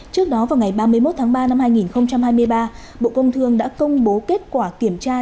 trước đó vào ngày ba mươi một tháng ba năm hai nghìn hai mươi ba bộ công thương đã công bố kết quả kiểm tra